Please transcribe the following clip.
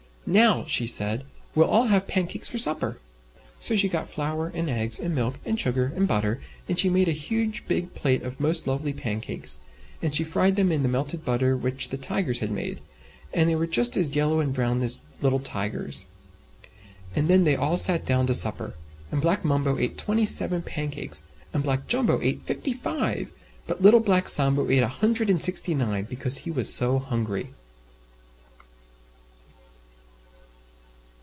"Now," said she, "we'll all have pancakes for supper!" So she got flour and eggs and milk and sugar and butter, and she made a huge big plate of most lovely pancakes. And she fried them in the melted butter which the Tigers had made, and they were just as yellow and brown as little Tigers. And then they all sat down to supper. And Black Mumbo ate Twenty seven pancakes, and Black Jumbo ate Fifty five, but Little Black Sambo ate a Hundred and Sixty nine, because he was so hungry.